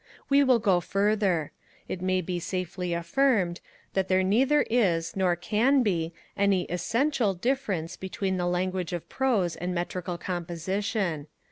We will go further. It may be safely affirmed, that there neither is, nor can be, any essential difference between the language of prose and metrical composition.